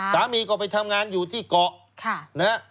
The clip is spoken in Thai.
สามีก็ไปทำงานอยู่ที่เกาะนะฮะ